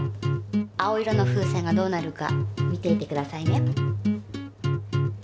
青色の風船がどうなるか見ていてくださいね。